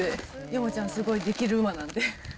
ヨモちゃん、すごい出来る馬なんで。